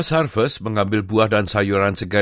oz harvest mengambil buah dan sayuran segar